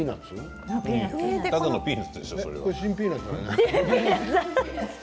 ただのピーナツですよ。